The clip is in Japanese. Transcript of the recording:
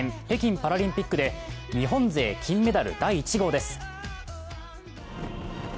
北京パラリンピックで日本勢金メダル第１号です。